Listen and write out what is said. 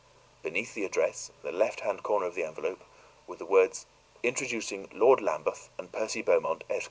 Beneath the address, in the left hand corner of the envelope, were the words, "Introducing Lord Lambeth and Percy Beaumont, Esq."